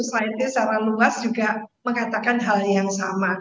jadi secara luas juga mengatakan hal yang sama